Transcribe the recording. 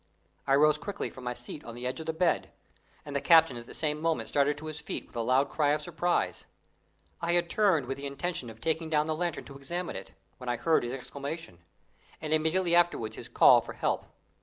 I rose quickly from my seat on the edge of the bed, and the captain at the same moment started to his feet with a loud cry of surprise. I had turned with the intention of taking down the lantern to examine it, when I heard his exclamation, and immediately afterwards his call for help.